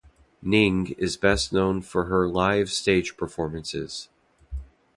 Ning is best known for her live stage performances.